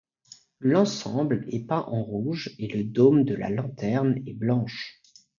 L'ensemble est peint en rouge et le dôme de la lanterne est blanche.